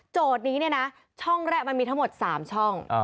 นี้เนี่ยนะช่องแรกมันมีทั้งหมด๓ช่อง